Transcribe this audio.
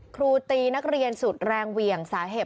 ครูตีนักเรียนสุดแรงเหวี่ยงสาเหตุ